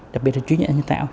đặc biệt là trí tuệ nhân tạo